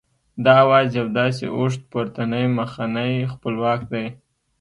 دا آواز یو داسې اوږد پورتنی مخنی خپلواک دی